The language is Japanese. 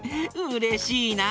うれしいな！